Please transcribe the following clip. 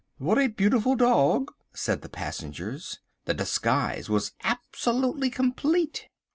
"What a beautiful dog," said the passengers. The disguise was absolutely complete.